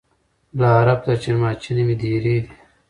له عرب تر چین ماچینه مي دېرې دي